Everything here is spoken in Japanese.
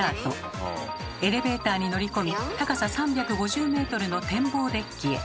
エレベーターに乗り込み高さ３５０ｍの天望デッキへ。